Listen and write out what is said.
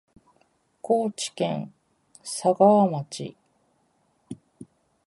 高知県佐川町